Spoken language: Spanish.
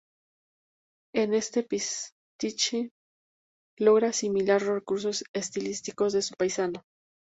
En este pastiche logra asimilar los recursos estilísticos de su paisano.